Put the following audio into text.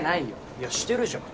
いやしてるじゃん。